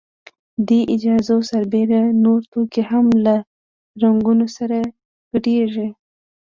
دې اجزاوو سربېره نور توکي هم له رنګونو سره ګډیږي.